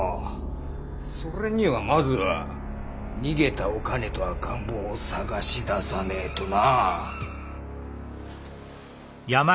それにはまずは逃げたお兼と赤ん坊を捜し出さねえとな。